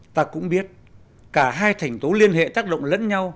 ta cũng biết cả hai thành tố liên hệ tác động lẫn nhau